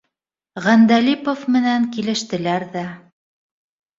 Ғәндәлипов менән килештеләр ҙә